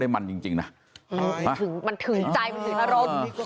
มันถือใจมันถือรม